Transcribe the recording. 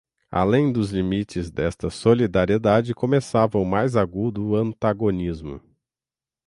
além dos limites desta solidariedade começava o mais agudo antagonismo